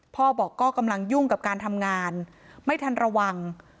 พ่อบอกก็กำลังยุ่งกับการทำงานไม่ทันระวัง